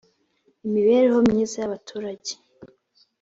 imibereho myiza y abaturage